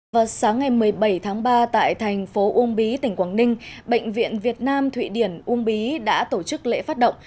vào sáng ngày một mươi bảy tháng ba tại thành phố uông bí tỉnh quảng ninh bệnh viện việt nam thụy điển uông bí đã tổ chức lễ phát động